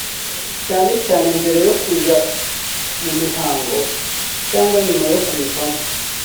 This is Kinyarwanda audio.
cyane cyane mbere yo kujya mu mihango cyangwa nyuma yo kuyivamo